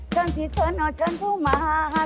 สั่งสิฉันมาสิฉันครู้ม้า